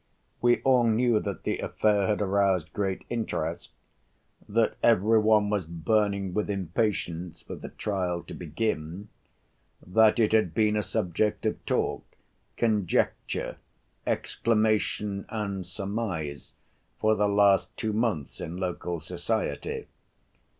We all knew that the affair had aroused great interest, that every one was burning with impatience for the trial to begin, that it had been a subject of talk, conjecture, exclamation and surmise for the last two months in local society.